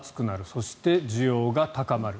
そして、需要が高まる。